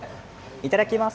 いただきます。